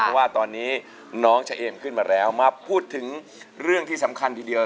เพราะว่าตอนนี้น้องเฉเอมขึ้นมาแล้วมาพูดถึงเรื่องที่สำคัญทีเดียว